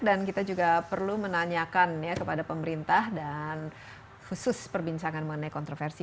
dan kita juga perlu menanyakan ya kepada pemerintah dan khusus perbincangan mengenai kontroversi